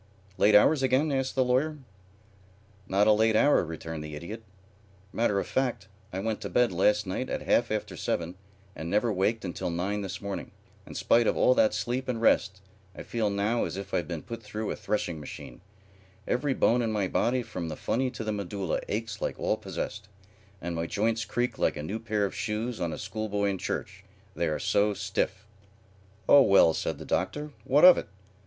"Late hours again?" asked the Lawyer. "Not a late hour," returned the Idiot. "Matter of fact, I went to bed last night at half after seven and never waked until nine this morning. In spite of all that sleep and rest I feel now as if I'd been put through a threshing machine. Every bone in my body from the funny to the medulla aches like all possessed, and my joints creak like a new pair of shoes on a school boy in church, they are so stiff." "Oh well," said the Doctor, "what of it?